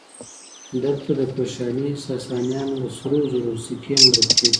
دلته د کوشاني ساسانیانو د سرو زرو سکې موندل کېږي